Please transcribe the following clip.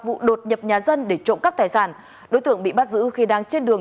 vụ đột nhập nhà dân để trộm cắp tài sản đối tượng bị bắt giữ khi đang trên đường